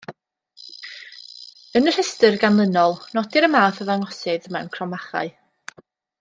Yn y rhestr ganlynol, nodir y math o ddangosydd mewn cromfachau.